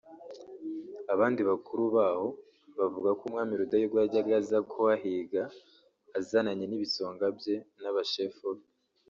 Abandi bakuru baho bavuga ko umwami Rudahigwa yajyaga aza kuhahiga azananye n’ibisonga bye n’abashefu be